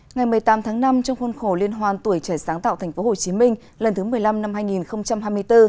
ngày một mươi tám tháng năm trong khuôn khổ liên hoan tuổi trẻ sáng tạo tp hcm lần thứ một mươi năm năm hai nghìn hai mươi bốn